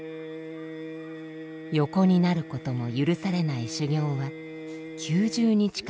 横になることも許されない修行は９０日間続きます。